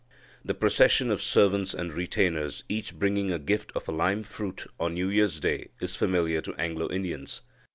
The procession of servants and retainers, each bringing a gift of a lime fruit, on New Year's Day is familiar to Anglo Indians.